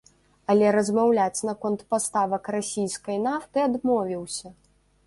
Але размаўляць наконт паставак расійскай нафты адмовіўся.